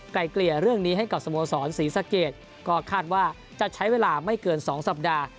ไกลเกลี่ยเรื่องนี้ให้กับสโมสรศรีสะเกดก็คาดว่าจะใช้เวลาไม่เกิน๒สัปดาห์